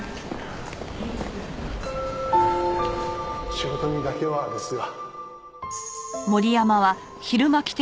「仕事にだけは」ですが。